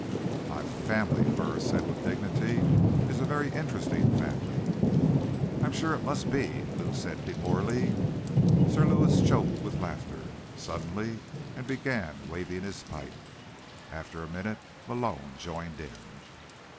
"My family," Burris said with dignity, "is a very interesting family." "I'm sure it must be," Lou said demurely. Sir Lewis choked with laughter suddenly and began waving his pipe. After a minute, Malone joined in.